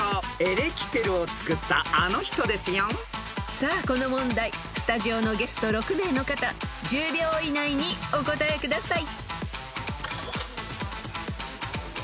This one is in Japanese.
［さあこの問題スタジオのゲスト６名の方１０秒以内にお答えください］